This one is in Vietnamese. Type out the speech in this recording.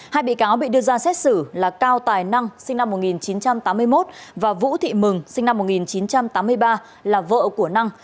hai bị cáo bị đưa ra xét xử là cao tài năng sinh năm một nghìn chín trăm tám mươi một và vũ thị mừng sinh năm một nghìn chín trăm tám mươi ba là vợ của năng